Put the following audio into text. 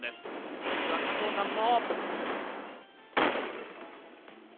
これには加藤さんも。